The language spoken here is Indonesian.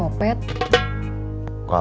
coba ditemui katanya